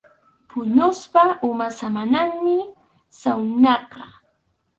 Puñuspa umap samananmi sawnaqa.